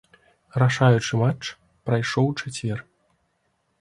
Рашаючы матч прайшоў у чацвер.